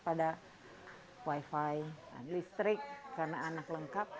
pada wi fi listrik karena anak lengkap